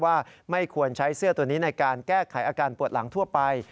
ว่าไม่ควรใช้เสื้อตัวนี้ในการแก้ไขอาการปวดหลังทั่วไป